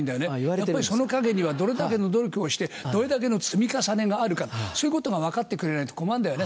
やっぱりその影にはどれだけの努力をしてどれだけの積み重ねがあるかそういうことが分かってくれないと困るんだよね